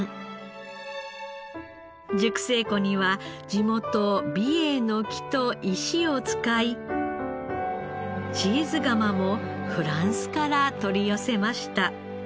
熟成庫には地元美瑛の木と石を使いチーズ釜もフランスから取り寄せました。